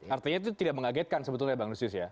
artinya itu tidak mengagetkan sebetulnya bang lusius ya